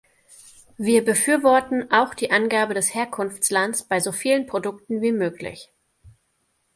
Wir befürworten auch die Angabe des Herkunftslands bei so vielen Produkten wie möglich.